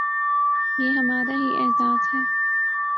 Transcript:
یہ ہمارا ہی اعزاز ہے۔